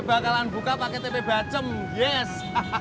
gue bakalan buka paket tp bace yes